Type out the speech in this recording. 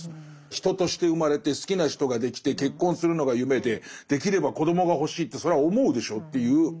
人として生まれて好きな人ができて結婚するのが夢でできれば子どもが欲しいってそれは思うでしょっていう。